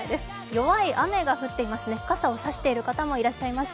弱い雨が降っていますね、傘を差してらっしゃる方もいます。